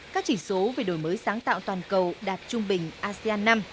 các chỉ số về đổi mới sáng tạo toàn cầu đạt trung bình asean năm